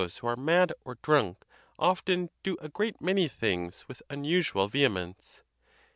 149 are mad or drunk often do a great many things with un usual vehemence.